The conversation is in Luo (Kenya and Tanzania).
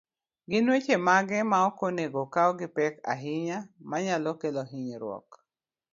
gin weche mage ma ok onego okaw gi pek ahinya, manyalo kelo hinyruok